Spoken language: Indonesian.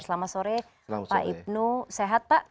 selamat sore pak ibnu sehat pak